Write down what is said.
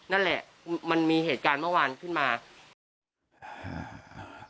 นั่นแหละมันมีเหตุการณ์เมื่อวานขึ้นมา